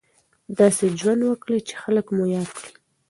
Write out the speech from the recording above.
داسې ژوند وکړئ چې خلک مو یاد کړي.